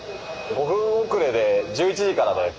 ５分遅れで１１時からです。